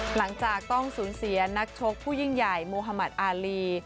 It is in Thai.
หลังจากต้องสูญเสียนักชกผู้ยิ่งใหญ่โมฮามัติอารี